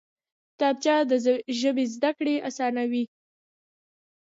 کتابچه د ژبې زده کړه اسانوي